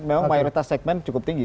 memang mayoritas segmen cukup tinggi